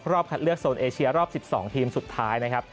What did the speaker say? รอบคัดเลือกโซนเอเชียรอบ๑๒ทีมสุดท้าย